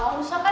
gak usah kan